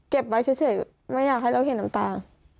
ไว้เฉยไม่อยากให้เราเห็นน้ำตา